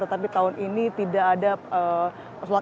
tetapi tahun ini tidak ada sholat id